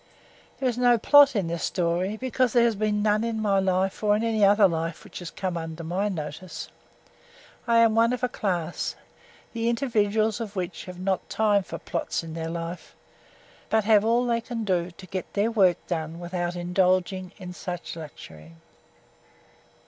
There is no plot in this story, because there has been none in my life or in any other life which has come under my notice. I am one of a class, the individuals of which have not time for plots in their life, but have all they can do to get their work done without indulging in such a luxury.